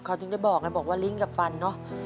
เขาถึงจะบอกว่าลิ้งกับฟันเนอะ